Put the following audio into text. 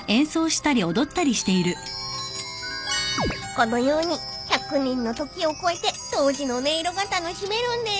［このように１００年の時を超えて当時の音色が楽しめるんです］